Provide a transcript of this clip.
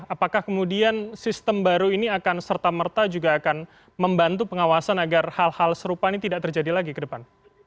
apakah kemudian sistem baru ini akan serta merta juga akan membantu pengawasan agar hal hal serupa ini tidak terjadi lagi ke depan